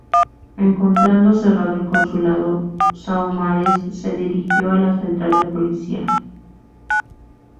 Encontrando cerrado el consulado, Saumarez se dirigió a la central de policía.